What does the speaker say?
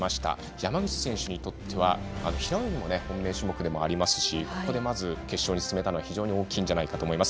山口選手にとっては平泳ぎが本命種目ですしここでまず決勝に進めたのは非常に大きいんじゃないかと思います。